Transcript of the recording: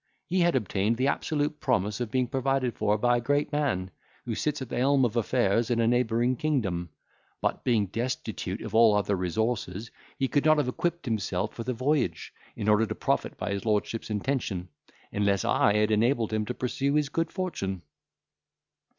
He had obtained the absolute promise of being provided for by a great man, who sits at the helm of affairs in a neighbouring kingdom; but, being destitute of all other resources, he could not have equipped himself for the voyage, in order to profit by his lordship's intention, unless I had enabled him to pursue his good fortune."